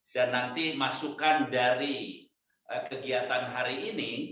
dan nanti masukan dari kegiatan hari ini